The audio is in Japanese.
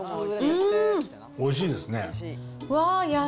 おいしいですね。